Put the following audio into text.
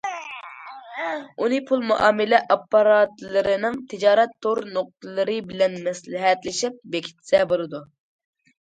ئۇنى پۇل مۇئامىلە ئاپپاراتلىرىنىڭ تىجارەت تور نۇقتىلىرى بىلەن مەسلىھەتلىشىپ بېكىتسە بولىدۇ.